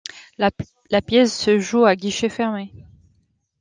La pièce se joue à guichet fermé.